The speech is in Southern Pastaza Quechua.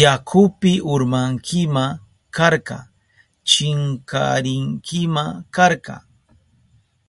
Yakupi urmankima karka, chinkarinkima karka.